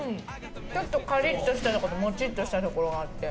ちょっとカリッとしたとことモチッとしたところがあって。